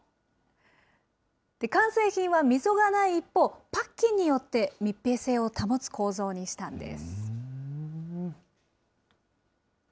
完成品は溝がない一方、パッキンによって密閉性を保つ構造にしたんです。